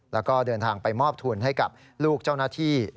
แล้วก็เดินทางไปมอบทุนให้กับลูกเจ้าหน้าที่